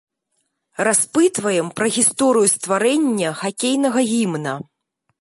Распытваем пра гісторыю стварэння хакейнага гімна.